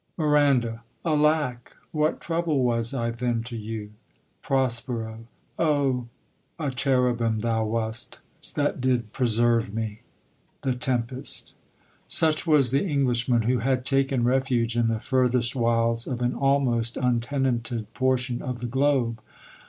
Miranda. — Alack ! what trouble Was I then to you ! Prospero. — O, a cherubim Thou wast, that did preserve me ! Tin: Tlmpest. Such was the Englishman who had taken refuge in the furthest wilds of an almost untenanted portion of the globe.